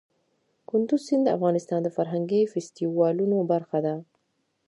کندز سیند د افغانستان د فرهنګي فستیوالونو برخه ده.